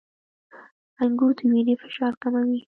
• انګور د وینې فشار کموي.